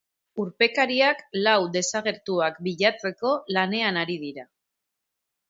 Urpekariak lau desagertuak bilatzeko lanean ari dira.